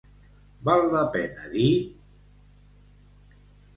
Val la pena dir...